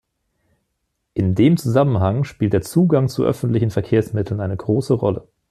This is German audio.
In dem Zusammenhang spielt der Zugang zu öffentlichen Verkehrsmitteln eine große Rolle.